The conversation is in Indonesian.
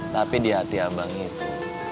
tapi di hati abang itu